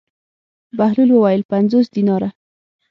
بهلول وویل: پنځوس دیناره.